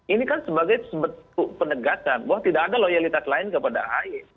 ini kan sebagai bentuk penegasan bahwa tidak ada loyalitas lain kepada ahy